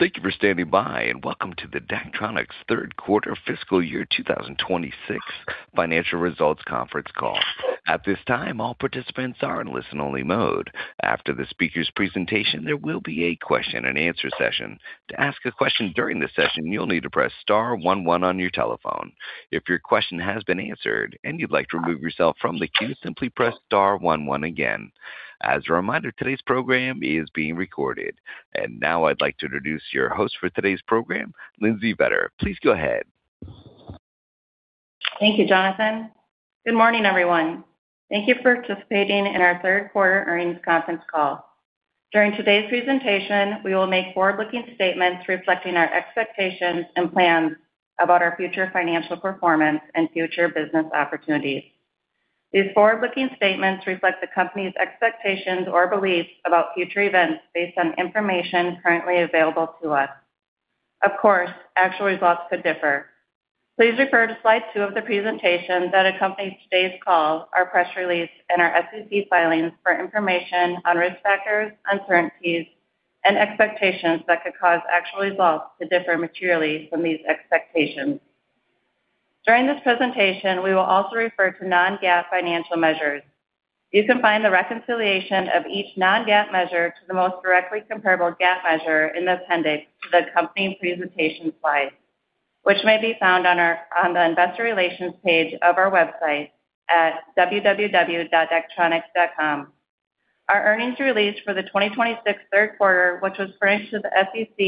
Thank you for standing by, and welcome to the Daktronics third quarter fiscal year 2026 financial results conference call. At this time, all participants are in listen-only mode. After the speaker's presentation, there will be a question-and-answer session. To ask a question during the session, you'll need to press star 11 on your telephone. If your question has been answered and you'd like to remove yourself from the queue, simply press star 11 again. As a reminder, today's program is being recorded. Now I'd like to introduce your host for today's program, Lindsey Vetter. Please go ahead. Thank you, Jonathan. Good morning, everyone. Thank you for participating in our third quarter earnings conference call. During today's presentation, we will make forward-looking statements reflecting our expectations and plans about our future financial performance and future business opportunities. These forward-looking statements reflect the company's expectations or beliefs about future events based on information currently available to us. Of course, actual results could differ. Please refer to slide 2 of the presentation that accompanies today's call, our press release, and our SEC filings for information on risk factors, uncertainties, and expectations that could cause actual results to differ materially from these expectations. During this presentation, we will also refer to non-GAAP financial measures. You can find the reconciliation of each non-GAAP measure to the most directly comparable GAAP measure in the appendix to the company's presentation slides, which may be found on the investor relations page of our website at www.daktronics.com. Our earnings release for the 2026 third quarter, which was furnished to the SEC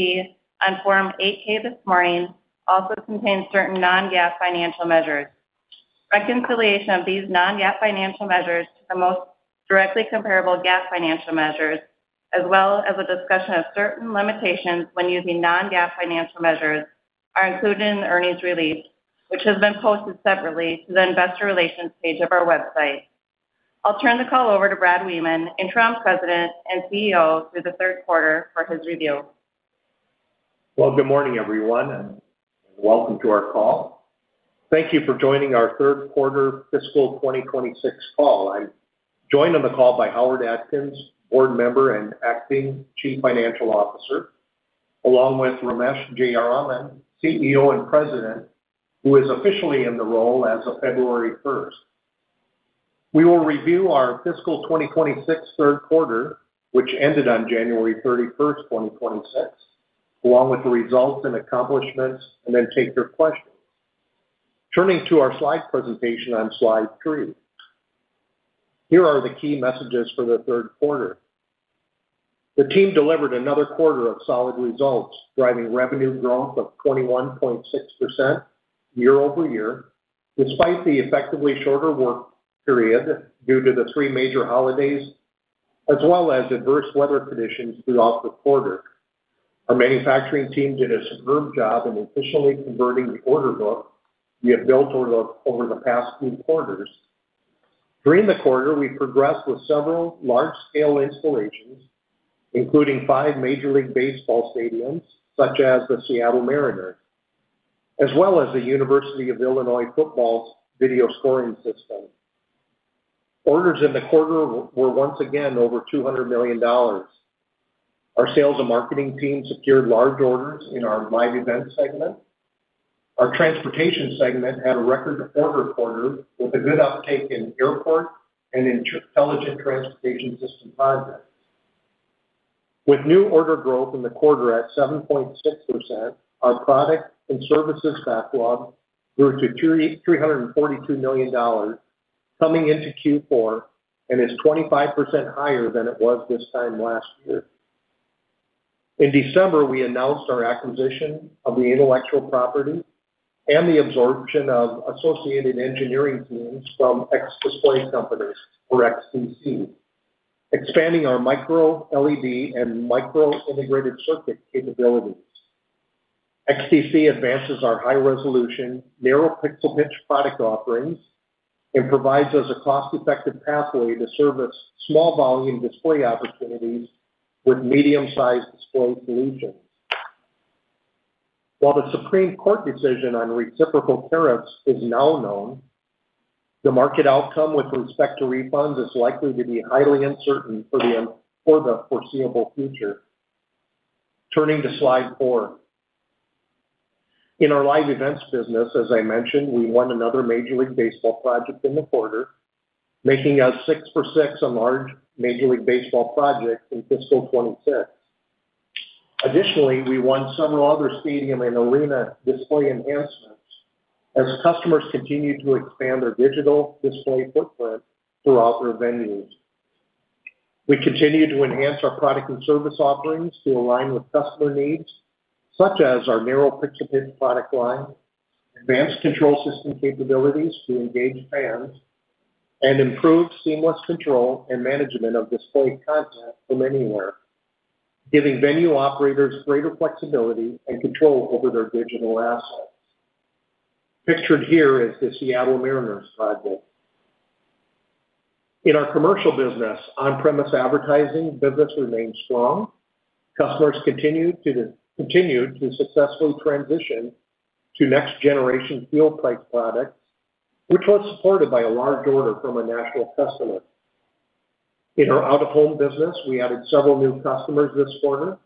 on Form 8-K this morning, also contains certain non-GAAP financial measures. Reconciliation of these non-GAAP financial measures to the most directly comparable GAAP financial measures, as well as a discussion of certain limitations when using non-GAAP financial measures, are included in the earnings release, which has been posted separately to the investor relations page of our website. I'll turn the call over to Brad Wiemann, Interim President and CEO through the third quarter for his review. Well, good morning, everyone, and welcome to our call. Thank you for joining our 3rd quarter fiscal 2026 call. I'm joined on the call by Howard Atkins, board member and acting Chief Financial Officer, along with Ramesh Jayaraman, CEO and President, who is officially in the role as of February 1st. We will review our fiscal 2026 3rd quarter, which ended on January 31st, 2026, along with the results and accomplishments, and then take your questions. Turning to our slide presentation on slide 3. Here are the key messages for the 3rd quarter. The team delivered another quarter of solid results, driving revenue growth of 21.6% year-over-year, despite the effectively shorter work period due to the 3 major holidays, as well as adverse weather conditions throughout the quarter. Our manufacturing team did a superb job in officially converting the order book we have built over the past few quarters. During the quarter, we progressed with several large-scale installations, including five Major League Baseball stadiums, such as the Seattle Mariners, as well as the University of Illinois football video scoring system. Orders in the quarter were once again over $200 million. Our sales and marketing team secured large orders in our Live Events segment. Our Transportation segment had a record order quarter with a good uptake in airport and intelligent transportation system projects. With new order growth in the quarter at 7.6%, our product and services backlog grew to $342 million coming into Q4 and is 25% higher than it was this time last year. In December, we announced our acquisition of the intellectual property and the absorption of associated engineering teams from X Display Company or XDC, expanding our Micro LED and micro integrated circuit capabilities. XDC advances our high-resolution, narrow pixel pitch product offerings and provides us a cost-effective pathway to service small volume display opportunities with medium-sized display solutions. While the Supreme Court decision on reciprocal tariffs is now known, the market outcome with respect to refunds is likely to be highly uncertain for the foreseeable future. Turning to slide 4. In our Live Events business, as I mentioned, we won another Major League Baseball project in the quarter, making us 6 for 6 on large Major League Baseball projects in fiscal 2026. Additionally, we won several other stadium and arena display enhancements as customers continue to expand their digital display footprint throughout their venues. We continue to enhance our product and service offerings to align with customer needs, such as our narrow pixel pitch product line, advanced control system capabilities to engage fans, and improve seamless control and management of display content from anywhere, giving venue operators greater flexibility and control over their digital assets. Pictured here is the Seattle Mariners project. In our commercial business, on-premise advertising business remains strong. Customers continued to successfully transition to next-generation field type products, which was supported by a large order from a national customer. In our out-of-home business, we added several new customers this quarter,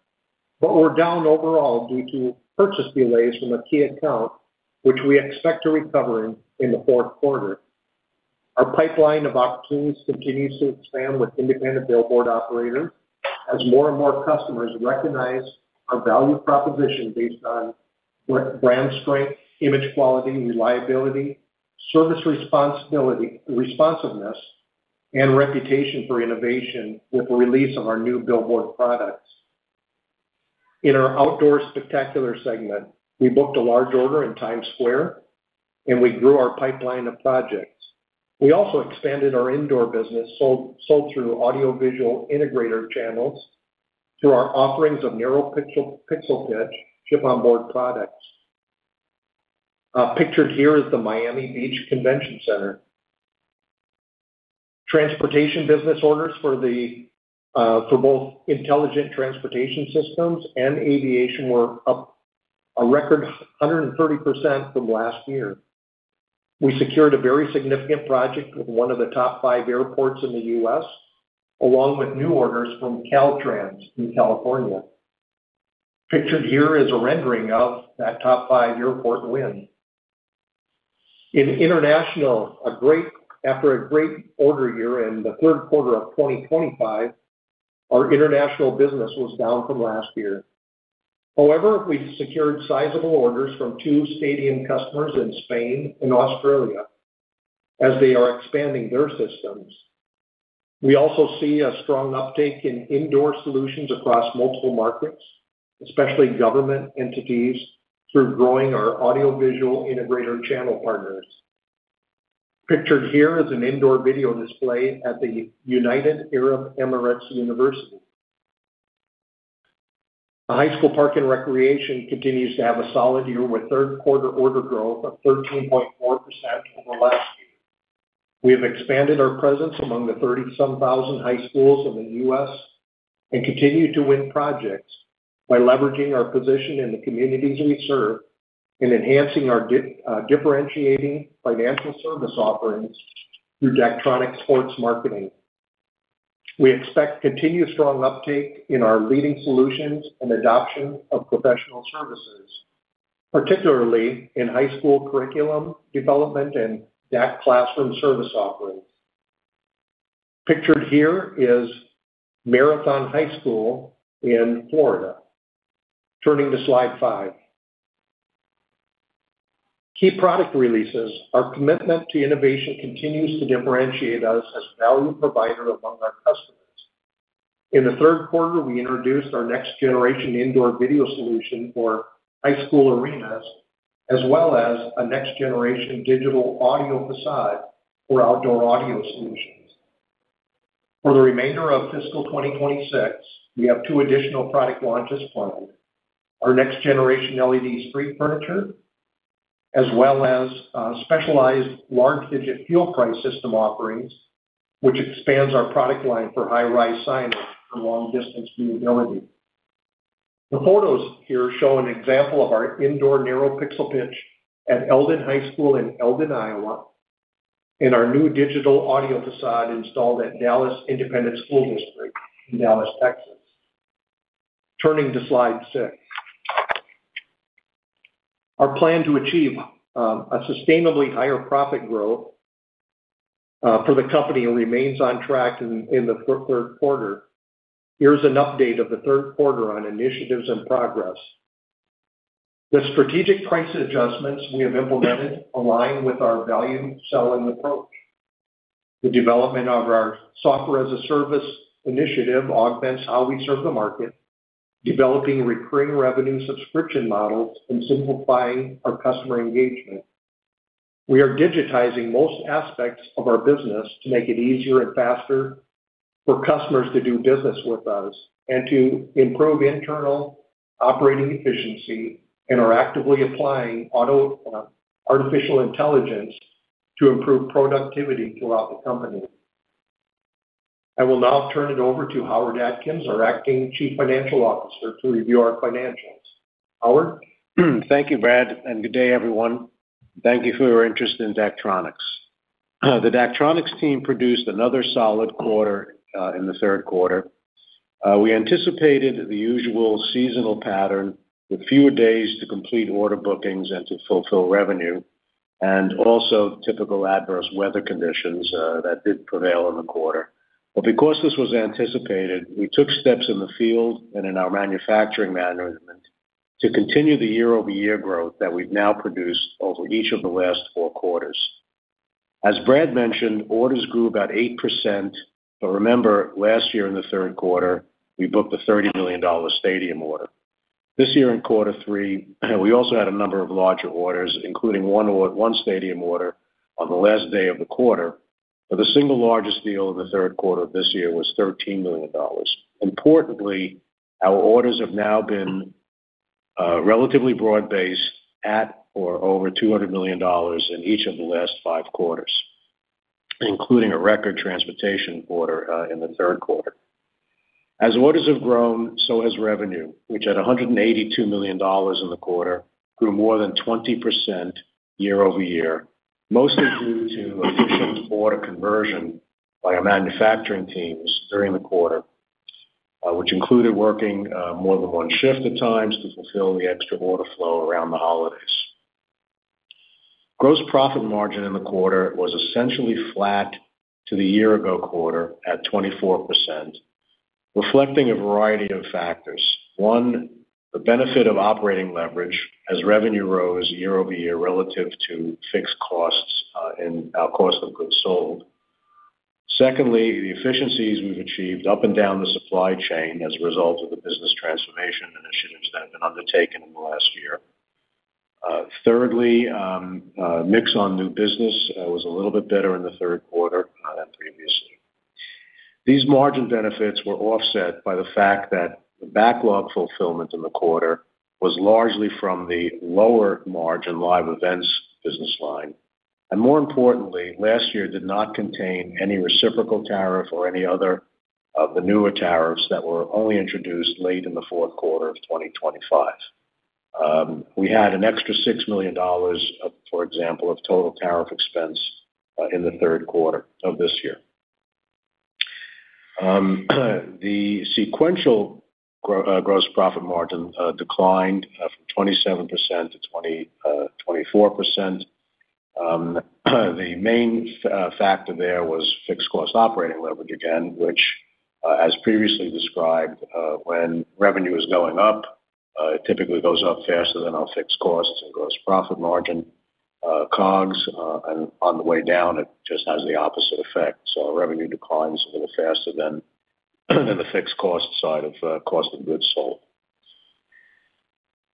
but we're down overall due to purchase delays from a key account, which we expect to recover in the fourth quarter. Our pipeline of opportunities continues to expand with independent billboard operators as more and more customers recognize our value proposition based on brand strength, image quality, reliability, service responsiveness, and reputation for innovation with the release of our new billboard products. In our outdoor spectacular segment, we booked a large order in Times Square, and we grew our pipeline of projects. We also expanded our indoor business, sold through audiovisual integrator channels through our offerings of narrow pixel pitch Chip on Board products. Pictured here is the Miami Beach Convention Center. Transportation business orders for both intelligent transportation systems and aviation were up a record 130% from last year. We secured a very significant project with one of the top five airports in the US, along with new orders from Caltrans in California. Pictured here is a rendering of that top five airport win. In international, after a great order year in the third quarter of 2025, our international business was down from last year. However, we secured sizable orders from two stadium customers in Spain and Australia as they are expanding their systems. We also see a strong uptake in indoor solutions across multiple markets, especially government entities, through growing our audiovisual integrator channel partners. Pictured here is an indoor video display at the United Arab Emirates University. High school park and recreation continues to have a solid year with third quarter order growth of 13.4% over last year. We have expanded our presence among the 30-some thousand high schools in the US and continue to win projects by leveraging our position in the communities we serve and enhancing our differentiating financial service offerings through Daktronics Sports Marketing. We expect continued strong uptake in our leading solutions and adoption of professional services, particularly in high school curriculum development and Dak Classroom service offerings. Pictured here is Marathon High School in Florida. Turning to slide 5. Key product releases. Our commitment to innovation continues to differentiate us as a value provider among our customers. In the third quarter, we introduced our next generation indoor video solution for high school arenas, as well as a next generation Digital Audio Facade for outdoor audio solutions. For the remainder of fiscal 2026, we have 2 additional product launches planned. Our next generation LED street furniture, as well as, specialized large digit fuel price system offerings, which expands our product line for high-rise signage for long distance visibility. The photos here show an example of our indoor narrow pixel pitch at Cardinal High School in Eldon, Iowa, and our new Digital Audio Facade installed at Dallas Independent School District in Dallas, Texas. Turning to slide 6. Our plan to achieve a sustainably higher profit growth for the company remains on track in the third quarter. Here's an update of the third quarter on initiatives and progress. The strategic price adjustments we have implemented align with our value selling approach. The development of our software-as-a-service initiative augments how we serve the market, developing recurring revenue subscription models, and simplifying our customer engagement. We are digitizing most aspects of our business to make it easier and faster for customers to do business with us and to improve internal operating efficiency and are actively applying artificial intelligence to improve productivity throughout the company. I will now turn it over to Howard Atkins, our acting Chief Financial Officer, to review our financials. Howard? Thank you, Brad, good day, everyone. Thank you for your interest in Daktronics. The Daktronics team produced another solid quarter in the third quarter. We anticipated the usual seasonal pattern with fewer days to complete order bookings and to fulfill revenue, and also typical adverse weather conditions that did prevail in the quarter. Because this was anticipated, we took steps in the field and in our manufacturing management to continue the year-over-year growth that we've now produced over each of the last four quarters. As Brad mentioned, orders grew about 8%. Remember, last year in the third quarter, we booked a $30 million stadium order. This year in Q3, we also had a number of larger orders, including one stadium order on the last day of the quarter, but the single largest deal in the third quarter of this year was $13 million. Importantly, our orders have now been relatively broad-based at or over $200 million in each of the last five quarters, including a record Transportation order in the third quarter. As orders have grown, so has revenue, which at $182 million in the quarter grew more than 20% year-over-year, mostly due to efficient order conversion by our manufacturing teams during the quarter, which included working more than one shift at times to fulfill the extra order flow around the holidays. Gross profit margin in the quarter was essentially flat to the year ago quarter at 24%, reflecting a variety of factors. One, the benefit of operating leverage as revenue rose year-over-year relative to fixed costs in our cost of goods sold. Secondly, the efficiencies we've achieved up and down the supply chain as a result of the business transformation initiatives that have been undertaken in the last year. Thirdly, mix on new business was a little bit better in the third quarter than previously. These margin benefits were offset by the fact that the backlog fulfillment in the quarter was largely from the lower margin Live Events business line. More importantly, last year did not contain any reciprocal tariff or any other of the newer tariffs that were only introduced late in the fourth quarter of 2025. We had an extra $6 million, for example, of total tariff expense in the third quarter of this year. The sequential gross profit margin declined from 27% to 24%. The main factor there was fixed cost operating leverage again, which, as previously described, when revenue is going up, it typically goes up faster than our fixed costs and gross profit margin, COGS, and on the way down, it just has the opposite effect. Revenue declines a little faster than the fixed cost side of cost of goods sold.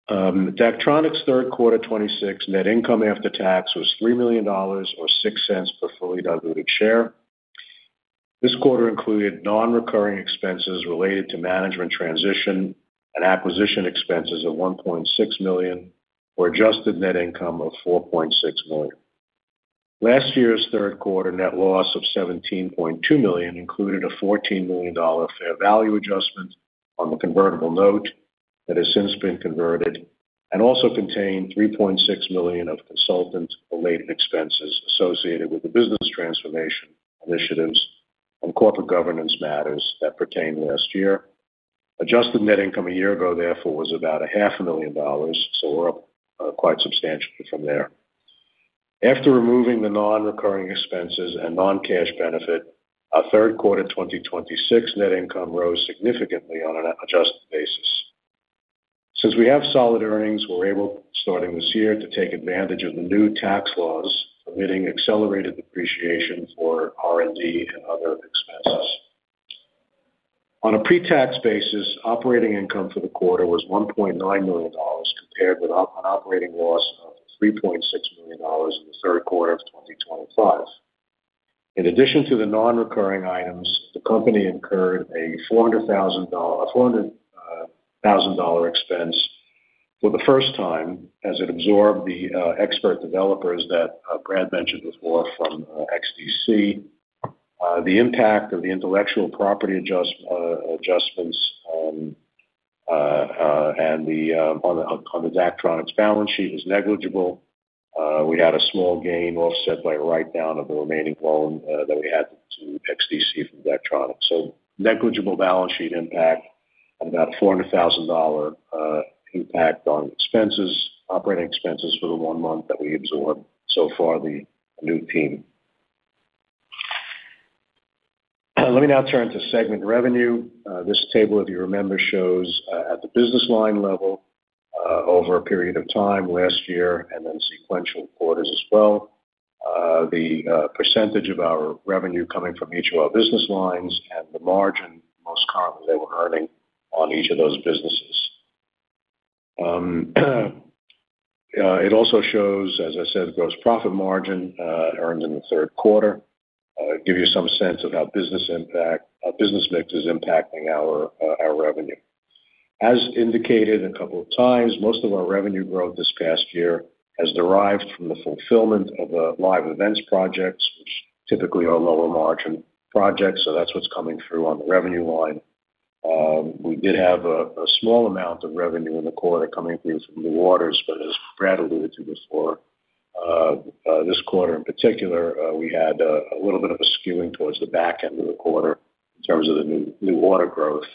Daktronics' third quarter 2026 net income after tax was $3 million or $0.06 per fully diluted share. This quarter included non-recurring expenses related to management transition and acquisition expenses of $1.6 million, or adjusted net income of $4.6 million. Last year's third quarter net loss of $17.2 million included a $14 million fair value adjustment on the convertible note that has since been converted, also contained $3.6 million of consultant-related expenses associated with the business transformation initiatives and corporate governance matters that pertained last year. Adjusted net income a year ago, therefore, was about a half a million dollars, we're up quite substantially from there. After removing the non-recurring expenses and non-cash benefit, our third quarter 2026 net income rose significantly on an adjusted basis. Since we have solid earnings, we're able, starting this year, to take advantage of the new tax laws permitting accelerated depreciation for R&D and other expenses. On a pre-tax basis, operating income for the quarter was $1.9 million compared with an operating loss of $3.6 million in the third quarter of 2025. In addition to the non-recurring items, the company incurred a $400,000 expense for the first time as it absorbed the expert developers that Brad mentioned before from XDC. The impact of the intellectual property adjustments on the Daktronics balance sheet was negligible. We had a small gain offset by a write-down of the remaining loan that we had to XDC from Daktronics. Negligible balance sheet impact and about $400,000 impact on expenses, operating expenses for the one month that we absorbed so far the new team. segment revenue. This table, if you remember, shows at the business line level, over a period of time last year and then sequential quarters as well, the percentage of our revenue coming from each of our business lines and the margin most currently they were earning on each of those businesses. It also shows, as I said, gross profit margin earned in the third quarter, to give you some sense of how business mix is impacting our revenue. As indicated a couple of times, most of our revenue growth this past year has derived from the fulfillment of Live Events projects, which typically are lower margin projects, so that's what's coming through on the revenue line We did have a small amount of revenue in the quarter coming through some new orders, but as Brad alluded to before, this quarter in particular, we had a little bit of a skewing towards the back end of the quarter in terms of the new order growth.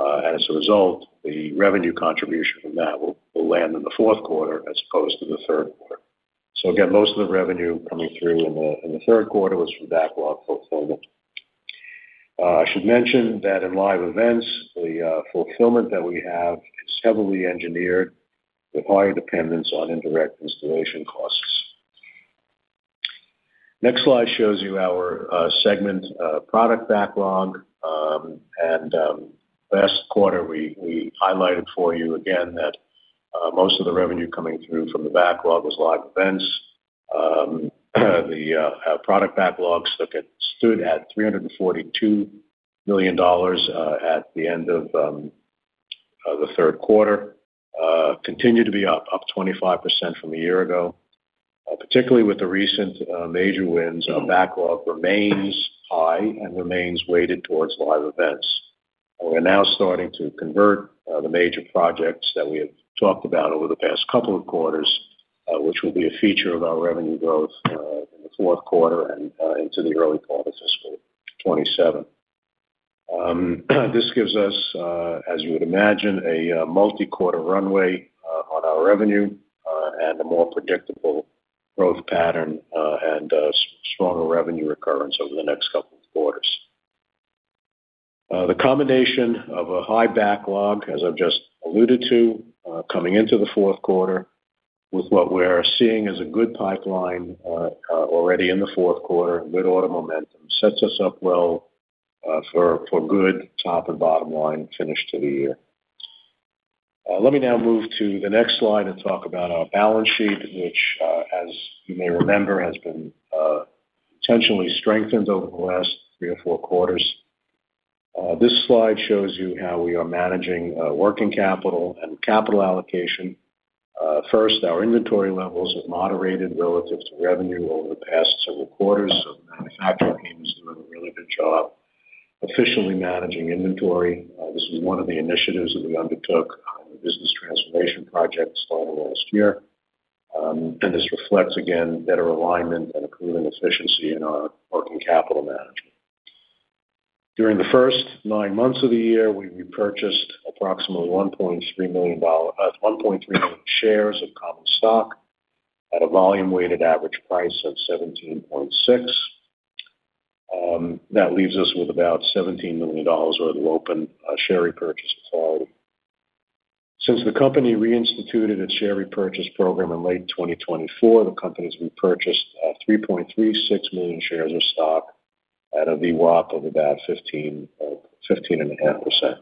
As a result, the revenue contribution from that will land in the fourth quarter as opposed to the third quarter. Again, most of the revenue coming through in the third quarter was from backlog fulfillment. I should mention that in Live Events, the fulfillment that we have is heavily engineered with higher dependence on indirect installation costs. Next slide shows you our segment product backlog. Last quarter, we highlighted for you again that most of the revenue coming through from the backlog was Live Events. The product backlogs stood at $342 million at the end of the third quarter, continue to be up 25% from a year ago. Particularly with the recent major wins, our backlog remains high and remains weighted towards Live Events. We're now starting to convert the major projects that we have talked about over the past couple of quarters, which will be a feature of our revenue growth in the fourth quarter and into the early quarters of fiscal 2027. This gives us, as you would imagine, a multi-quarter runway on our revenue, and a more predictable growth pattern, and a stronger revenue recurrence over the next couple of quarters. The combination of a high backlog, as I've just alluded to, coming into the fourth quarter with what we are seeing as a good pipeline, already in the fourth quarter with autumn momentum sets us up well, for good top and bottom line finish to the year. Let me now move to the next slide and talk about our balance sheet, which, as you may remember, has been potentially strengthened over the last three or four quarters. This slide shows you how we are managing working capital and capital allocation. First, our inventory levels have moderated relative to revenue over the past several quarters of manufacturing. Doing a really good job officially managing inventory. This is one of the initiatives that we undertook on the business transformation project started last year. This reflects, again, better alignment and improving efficiency in our working capital management. During the first 9 months of the year, we repurchased approximately 1.3 million shares of common stock at a volume-weighted average price of $17.6. That leaves us with about $17 million worth of open share repurchase authority. Since the company reinstituted its share repurchase program in late 2024, the company's repurchased 3.36 million shares of stock at a VWAP of about 15% or 15.5%.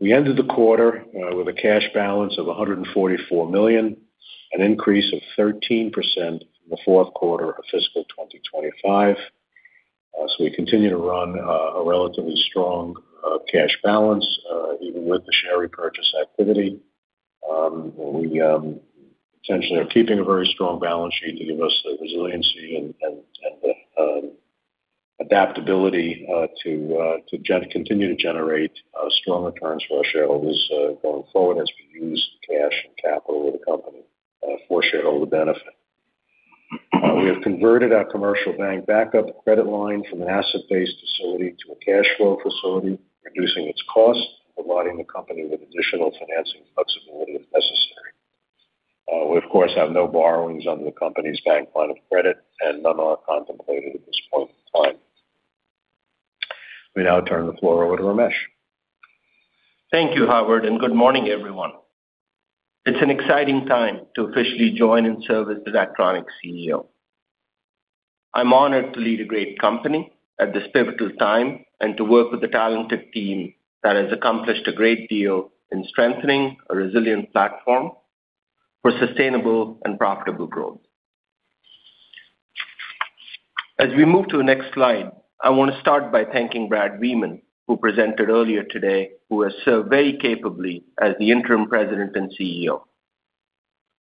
We ended the quarter with a cash balance of $144 million, an increase of 13% from the fourth quarter of fiscal 2025. We continue to run a relatively strong cash balance even with the share repurchase activity. We potentially are keeping a very strong balance sheet to give us the resiliency and the adaptability to continue to generate strong returns for our shareholders going forward as we use cash and capital with the company for shareholder benefit. We have converted our commercial bank backup credit line from an asset-based facility to a cash flow facility, reducing its cost, providing the company with additional financing flexibility if necessary. We of course have no borrowings under the company's bank line of credit and none are contemplated at this point in time. We now turn the floor over to Ramesh. Thank you, Howard, and good morning, everyone. It's an exciting time to officially join and serve as Daktronics' CEO. I'm honored to lead a great company at this pivotal time and to work with a talented team that has accomplished a great deal in strengthening a resilient platform for sustainable and profitable growth. As we move to the next slide, I wanna start by thanking Brad Wiemann, who presented earlier today, who has served very capably as the interim President and CEO.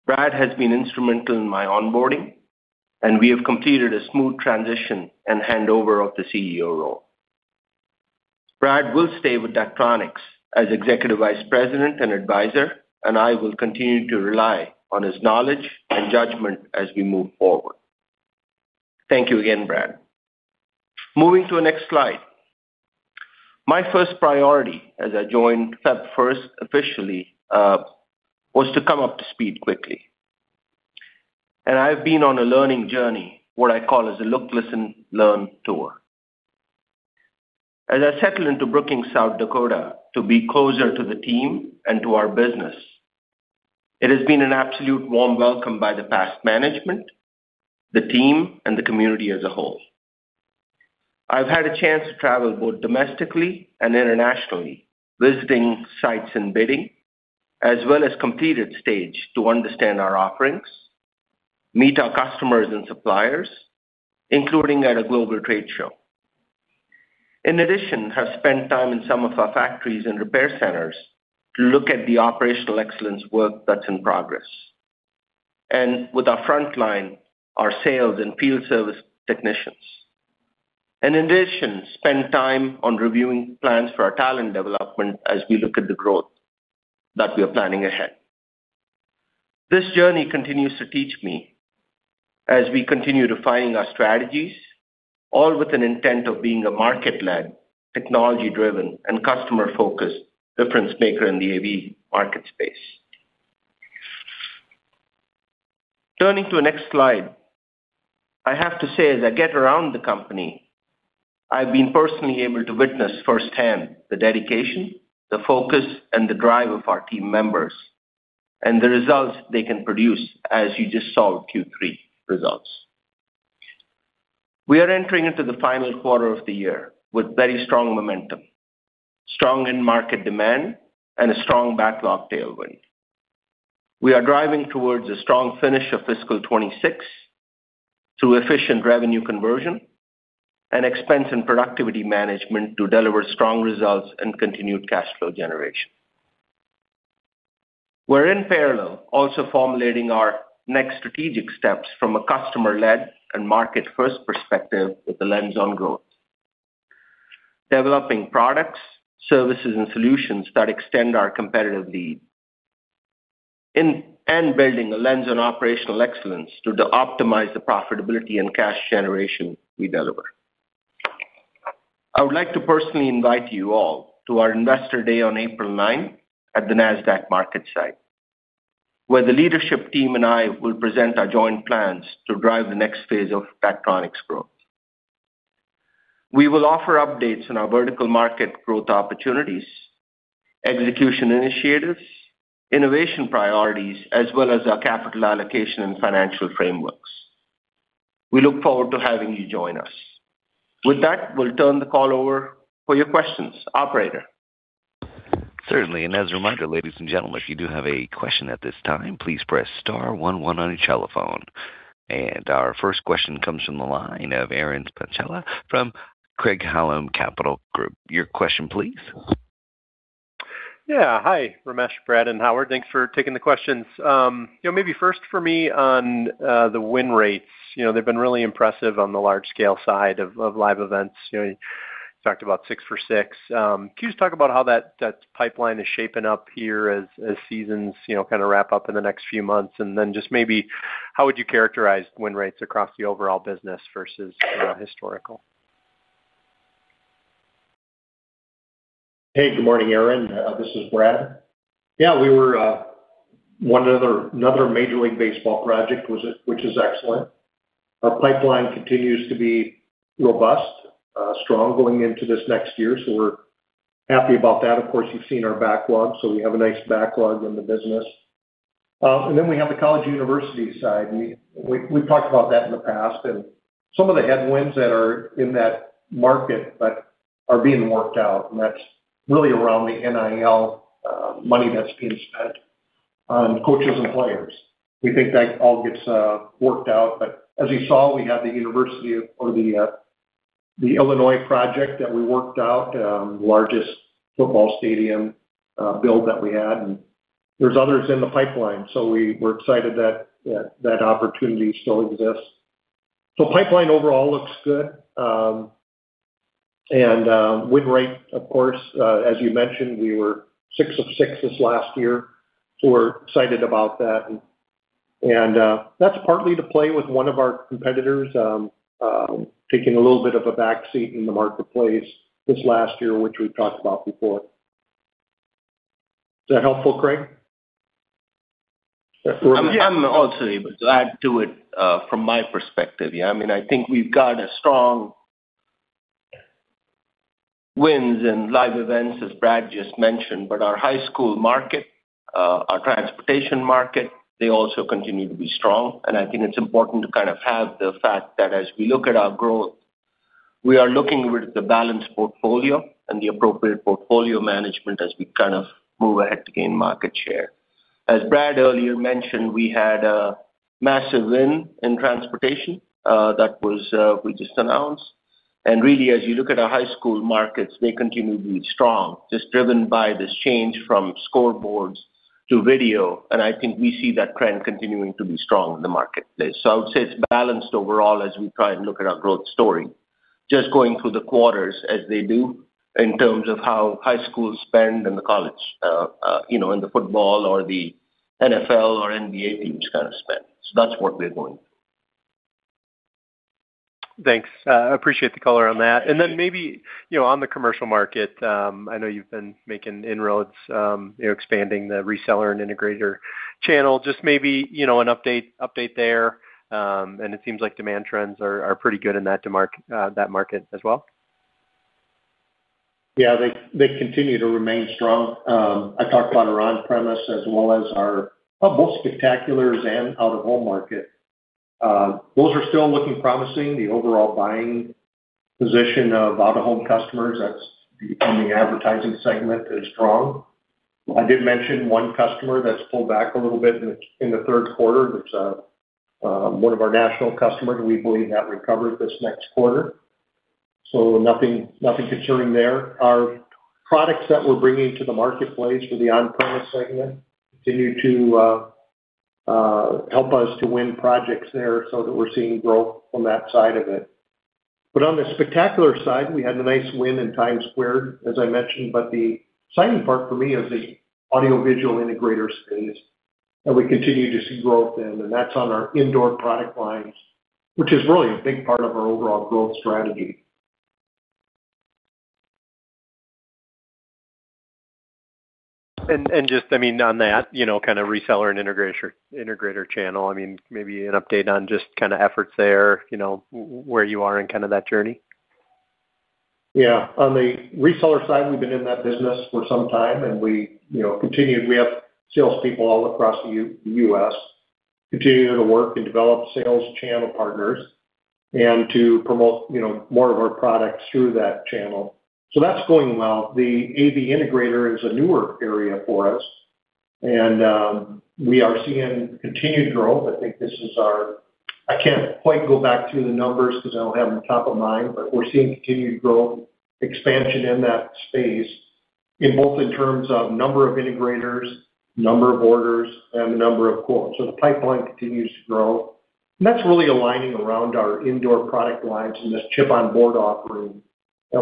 Brad has been instrumental in my onboarding, and we have completed a smooth transition and handover of the CEO role. Brad will stay with Daktronics as Executive Vice President and Advisor, and I will continue to rely on his knowledge and judgment as we move forward. Thank you again, Brad. Moving to the next slide. My first priority as I joined February 1st officially, was to come up to speed quickly. I've been on a learning journey, what I call as a look, listen, learn tour. As I settle into Brookings, South Dakota, to be closer to the team and to our business, it has been an absolute warm welcome by the past management, the team, and the community as a whole. I've had a chance to travel both domestically and internationally, visiting sites in bidding as well as completed stage to understand our offerings, meet our customers and suppliers, including at a global trade show. In addition, have spent time in some of our factories and repair centers to look at the operational excellence work that's in progress, and with our frontline, our sales and field service technicians. In addition, spend time on reviewing plans for our talent development as we look at the growth that we are planning ahead. This journey continues to teach me as we continue defining our strategies, all with an intent of being a market-led, technology-driven, and customer-focused difference maker in the AV market space. Turning to the next slide. I have to say, as I get around the company, I've been personally able to witness firsthand the dedication, the focus, and the drive of our team members and the results they can produce as you just saw Q3 results. We are entering into the final quarter of the year with very strong momentum, strong end market demand, and a strong backlog tailwind. We are driving towards a strong finish of fiscal 26 through efficient revenue conversion and expense and productivity management to deliver strong results and continued cash flow generation. We're in parallel, also formulating our next strategic steps from a customer-led and market-first perspective with the lens on growth. Developing products, services, and solutions that extend our competitive lead and building a lens on operational excellence to optimize the profitability and cash generation we deliver. I would like to personally invite you all to our Investor Day on April ninth at the Nasdaq MarketSite, where the leadership team and I will present our joint plans to drive the next phase of Daktronics' growth. We will offer updates on our vertical market growth opportunities, execution initiatives, innovation priorities, as well as our capital allocation and financial frameworks. We look forward to having you join us. With that, we'll turn the call over for your questions. Operator? Certainly. As a reminder, ladies and gentlemen, if you do have a question at this time, please press star one one on your telephone. Our first question comes from the line of Aaron Spychalla from Craig-Hallum Capital Group. Your question, please. Yeah. Hi, Ramesh, Brad, and Howard. Thanks for taking the questions. You know, maybe first for me on the win rates. You know, they've been really impressive on the large scale side of Live Events. You know, you talked about 6 for 6. Can you just talk about how that pipeline is shaping up here as seasons, you know, kinda wrap up in the next few months? Just maybe how would you characterize win rates across the overall business versus historical? Hey, good morning, Aaron. This is Brad. Yeah, we won another Major League Baseball project, which is excellent. Our pipeline continues to be robust, strong going into this next year. We're happy about that. Of course, you've seen our backlog. We have a nice backlog in the business. We have the college university side. We've talked about that in the past, and some of the headwinds that are in that market but are being worked out. That's really around the NIL money that's being spent on coaches and players. We think that all gets worked out. As you saw, we had the university or the Illinois project that we worked out, largest football stadium build that we had. There's others in the pipeline, we're excited that opportunity still exists. Pipeline overall looks good. Win rate, of course, as you mentioned, we were 6 of 6 this last year, so we're excited about that. That's partly to play with one of our competitors taking a little bit of a back seat in the marketplace this last year, which we've talked about before. Is that helpful, Craig? I'm also able to add to it from my perspective. I mean, I think we've got a strong wins in Live Events, as Brad just mentioned. Our high school market, our Transportation market, they also continue to be strong. I think it's important to kind of have the fact that as we look at our growth, we are looking with the balanced portfolio and the appropriate portfolio management as we kind of move ahead to gain market share. As Brad earlier mentioned, we had a massive win in Transportation, that was, we just announced. Really, as you look at our high school markets, they continue to be strong, just driven by this change from scoreboards to video. I think we see that trend continuing to be strong in the marketplace. I would say it's balanced overall as we try and look at our growth story, just going through the quarters as they do in terms of how high schools spend and the college, you know, and the football or the NFL or NBA teams kind of spend. That's what we're going. Thanks. I appreciate the color on that. Maybe, you know, on the commercial market, I know you've been making inroads, you know, expanding the reseller and integrator channel. Just maybe, you know, an update there. It seems like demand trends are pretty good in that market as well. Yeah, they continue to remain strong. I talked about our on-premise as well as our both spectaculars and out-of-home market. Those are still looking promising. The overall buying position of out-of-home customers that's in the advertising segment is strong. I did mention one customer that's pulled back a little bit in the third quarter. That's one of our national customers. We believe that recovers this next quarter. Nothing concerning there. Our products that we're bringing to the marketplace for the on-premise segment continue to help us to win projects there so that we're seeing growth from that side of it. On the spectacular side, we had a nice win in Times Square, as I mentioned, but the exciting part for me is the audiovisual integrator space that we continue to see growth in, and that's on our indoor product lines, which is really a big part of our overall growth strategy. Just I mean, on that, you know, kind of reseller and integrator channel, I mean, maybe an update on just kinda efforts there, you know, where you are in kind of that journey? Yeah. On the reseller side, we've been in that business for some time, and we, you know, continue. We have salespeople all across the US. Continue to work and develop sales channel partners and to promote, you know, more of our products through that channel. That's going well. The AV integrator is a newer area for us, and we are seeing continued growth. I think I can't quite go back to the numbers 'cause I don't have them top of mind, but we're seeing continued growth expansion in that space in both in terms of number of integrators, number of orders, and the number of quotes. The pipeline continues to grow, and that's really aligning around our indoor product lines and this Chip on Board offering that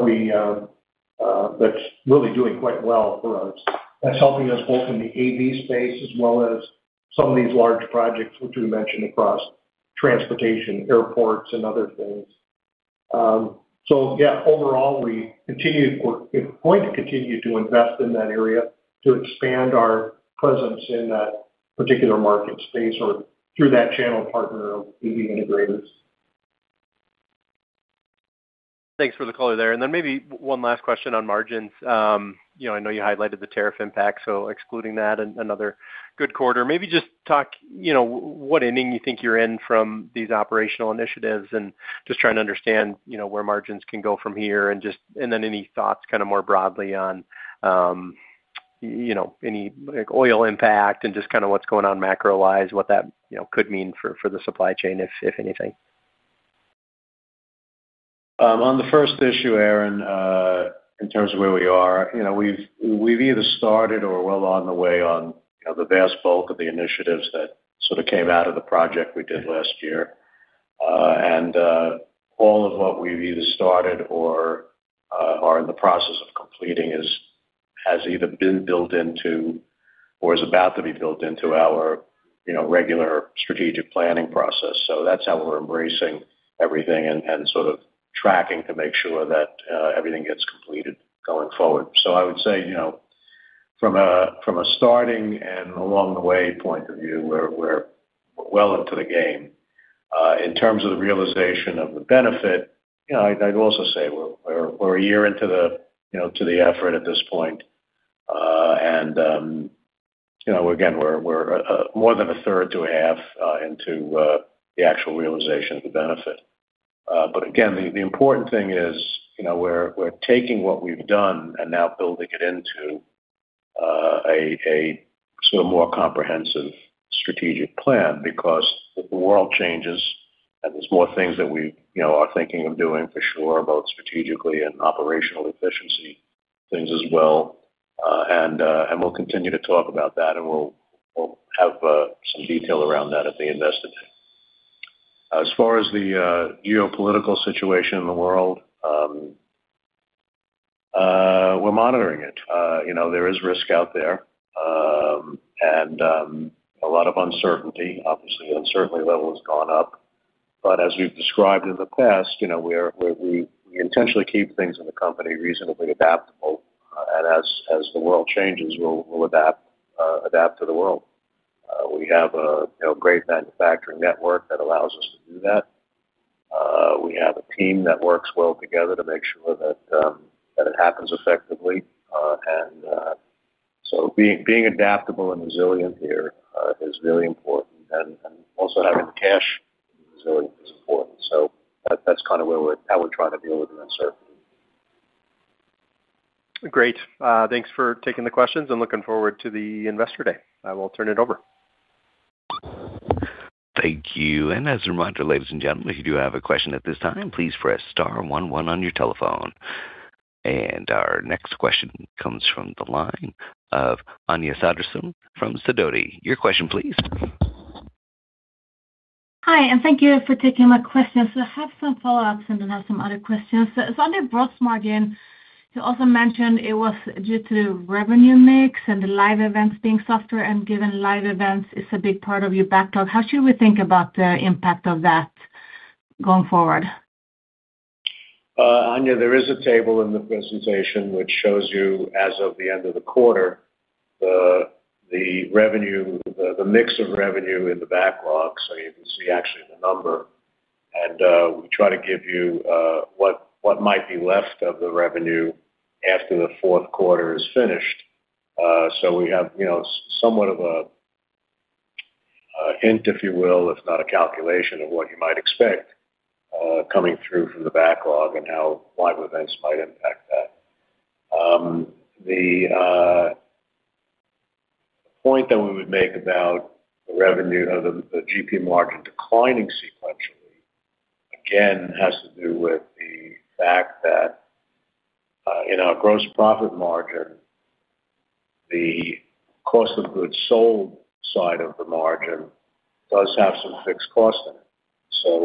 we that's really doing quite well for us. That's helping us both in the AV space as well as some of these large projects, which we mentioned across Transportation, airports and other things. Overall, we're going to continue to invest in that area to expand our presence in that particular market space or through that channel partner of AV integrators. Thanks for the color there. Maybe one last question on margins. You know, I know you highlighted the tariff impact, so excluding that and another good quarter, maybe just talk, you know, what inning you think you're in from these operational initiatives and just trying to understand, you know, where margins can go from here and any thoughts kinda more broadly on, you know, any like oil impact and just kinda what's going on macro-wise, what that, you know, could mean for the supply chain if anything. On the first issue, Aaron, in terms of where we are, you know, we've either started or well on the way on, you know, the vast bulk of the initiatives that sort of came out of the project we did last year. All of what we've either started or are in the process of completing has either been built into or is about to be built into our, you know, regular strategic planning process. That's how we're embracing everything and sort of tracking to make sure that everything gets completed going forward. I would say, you know, from a starting and along the way point of view, we're well into the game. In terms of the realization of the benefit, you know, I'd also say we're a year into the, you know, to the effort at this point. You know, again, we're more than a third to a half into the actual realization of the benefit. Again, the important thing is, you know, we're taking what we've done and now building it into a sort of more comprehensive strategic plan because the world changes and there's more things that we, you know, are thinking of doing for sure about strategically and operational efficiency things as well. We'll continue to talk about that, and we'll have some detail around that at the Investor Day. As far as the geopolitical situation in the world, we're monitoring it. You know, there is risk out there, and a lot of uncertainty. Obviously, the uncertainty level has gone up. As we've described in the past, you know, we intentionally keep things in the company reasonably adaptable, and as the world changes, we'll adapt to the world. We have a, you know, great manufacturing network that allows us to do that. We have a team that works well together to make sure that it happens effectively. Being adaptable and resilient here is really important. Also having the cash resilience is important. That's kind of where we're how we're trying to deal with the uncertainty. Great. Thanks for taking the questions, and looking forward to the Investor Day. I will turn it over. Thank you. As a reminder, ladies and gentlemen, if you do have a question at this time, please press star one one on your telephone. Our next question comes from the line of Anja Soderstrom from Sidoti. Your question please. Hi, thank you for taking my question. I have some follow-ups and then I have some other questions. It's on your gross margin. You also mentioned it was due to revenue mix and the Live Events being softer. Given Live Events is a big part of your backlog, how should we think about the impact of that going forward? Anja, there is a table in the presentation which shows you as of the end of the quarter, the revenue mix of revenue in the backlog, so you can see actually the number. We try to give you what might be left of the revenue after the fourth quarter is finished. We have, you know, somewhat of a hint, if you will, if not a calculation of what you might expect coming through from the backlog and how Live Events might impact that. The point that we would make about the revenue or the GP margin declining sequentially, again, has to do with the fact that in our gross profit margin, the cost of goods sold side of the margin does have some fixed cost in it.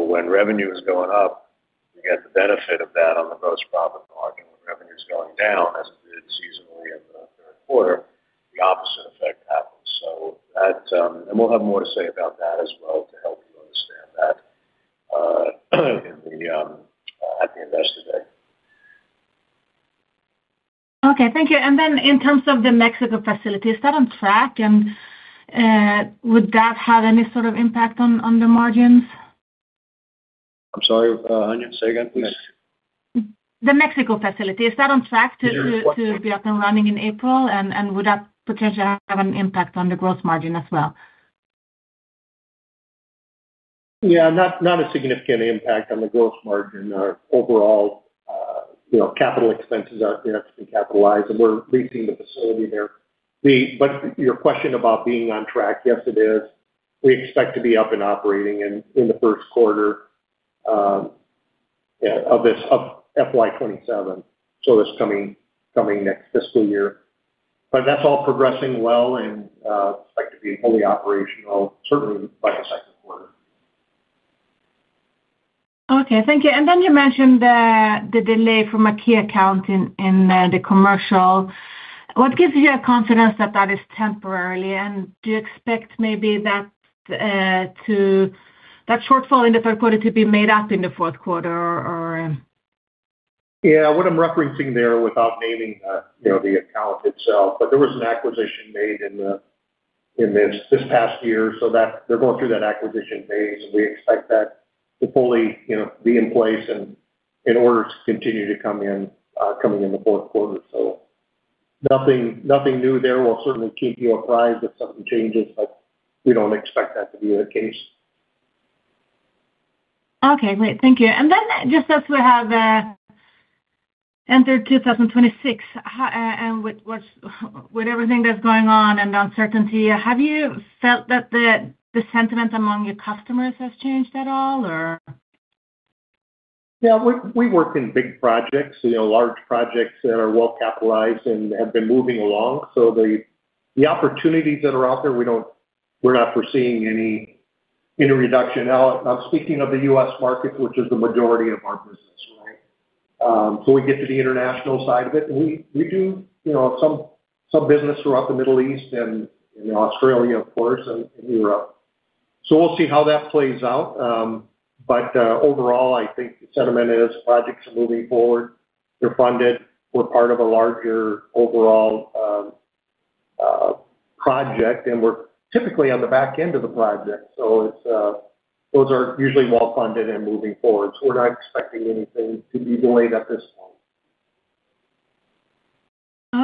When revenue is going up, we get the benefit of that on the gross profit margin. When revenue's going down, as it did seasonally in the third quarter, the opposite effect happens. We'll have more to say about that as well to help you understand that, in the, at the Investor Day. Okay. Thank you. Then in terms of the Mexico facility, is that on track? Would that have any sort of impact on the margins? I'm sorry, Anja, say again, please. The Mexico facility, is that on track to be up and running in April? Would that potentially have an impact on the growth margin as well? Not a significant impact on the growth margin or overall, you know, capital expenses, you know, have been capitalized, and we're leasing the facility there. Your question about being on track, yes, it is. We expect to be up and operating in the first quarter, of FY 2027, so this coming next fiscal year. That's all progressing well and expect to be fully operational certainly by the second quarter. Okay. Thank you. Then you mentioned the delay from a key account in the commercial. What gives you a confidence that that is temporary? Do you expect maybe that shortfall in the third quarter to be made up in the fourth quarter or? Yeah. What I'm referencing there without naming, you know, the account itself, but there was an acquisition made in this past year, so that they're going through that acquisition phase. We expect that to fully, you know, be in place and in order to continue to come in, coming in the fourth quarter. Nothing new there. We'll certainly keep you apprised if something changes, but we don't expect that to be the case. Okay, great. Thank you. Just as we have entered 2026, how, with everything that's going on and uncertainty, have you felt that the sentiment among your customers has changed at all or? Yeah. We work in big projects, you know, large projects that are well capitalized and have been moving along. The opportunities that are out there, we're not foreseeing any reduction. Now I'm speaking of the US market, which is the majority of our business, right? We get to the international side of it. We do, you know, some business throughout the Middle East and, you know, Australia, of course, and in Europe. We'll see how that plays out. Overall, I think the sentiment is projects are moving forward. They're funded. We're part of a larger overall project, we're typically on the back end of the project. Those are usually well-funded and moving forward. We're not expecting anything to be delayed at this point.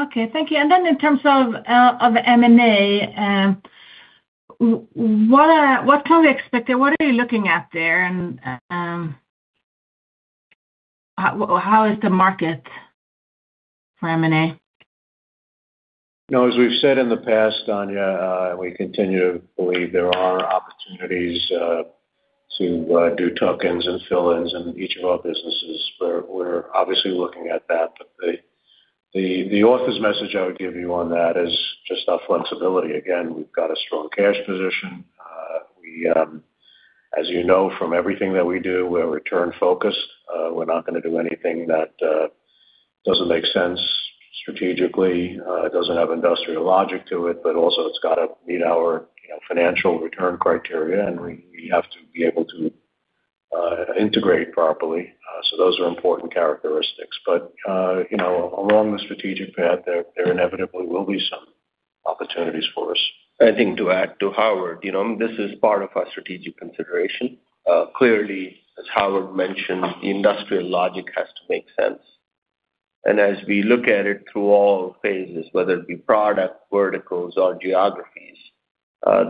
Okay. Thank you. In terms of M&A, what can we expect there? What are you looking at there? How is the market for M&A? You know, as we've said in the past, Anja, and we continue to believe there are opportunities to do tokens and fill-ins in each of our businesses. We're obviously looking at that. The author's message I would give you on that is just our flexibility. Again, we've got a strong cash position. We, as you know, from everything that we do, we're return-focused. We're not gonna do anything that doesn't make sense strategically, doesn't have industrial logic to it, but also it's gotta meet our, you know, financial return criteria, and we have to be able to integrate properly. Those are important characteristics. You know, along the strategic path, there inevitably will be some opportunities for us. I think to add to Howard, you know, this is part of our strategic consideration. Clearly, as Howard mentioned, the industrial logic has to make sense. As we look at it through all phases, whether it be product, verticals or geographies,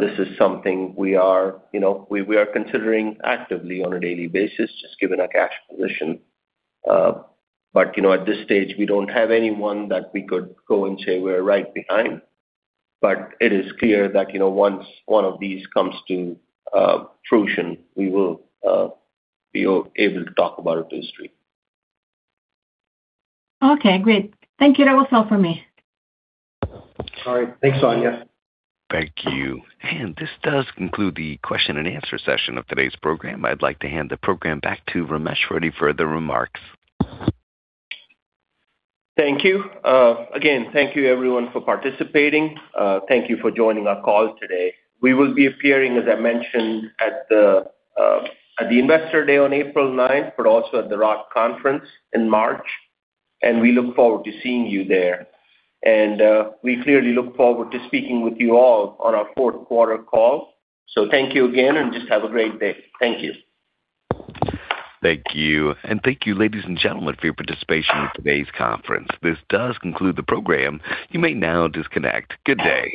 this is something we are, you know, we are considering actively on a daily basis, just given our cash position. But you know, at this stage, we don't have anyone that we could go and say we're right behind. It is clear that, you know, once one of these comes to fruition, we will be able to talk about it with history. Okay, great. Thank you. That was all for me. All right. Thanks, Anja. Thank you. This does conclude the question and answer session of today's program. I'd like to hand the program back to Ramesh ready for the remarks. Thank you. Again, thank you everyone for participating. Thank you for joining our call today. We will be appearing, as I mentioned, at the Investor Day on April ninth, but also at the ROTH Conference in March, and we look forward to seeing you there. We clearly look forward to speaking with you all on our fourth quarter call. Thank you again and just have a great day. Thank you. Thank you. Thank you, ladies and gentlemen, for your participation in today's conference. This does conclude the program. You may now disconnect. Good day.